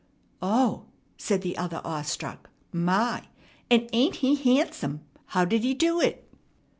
"Oh!" said the other, awestruck. "My! And ain't he handsome? How did he do it?"